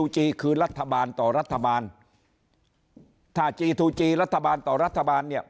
จีคือรัฐบาลต่อรัฐบาลถ้าจีทูจีรัฐบาลต่อรัฐบาลเนี่ย